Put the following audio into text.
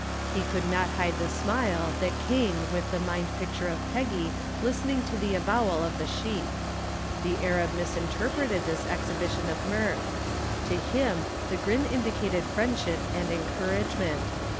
He could not hide the smile that came with the mind picture of Peggy listening to the avowal of the sheik. The Arab misinterpreted this exhibition of mirth. To him the grin indicated friendship and encouragement.